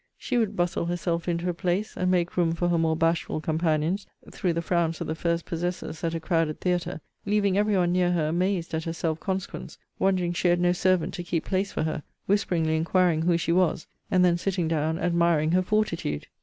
She would bustle herself into a place, and make room for her more bashful companions, through the frowns of the first possessors, at a crowded theatre, leaving every one near her amazed at her self consequence, wondering she had no servant to keep place for her; whisperingly inquiring who she was; and then sitting down admiring her fortitude.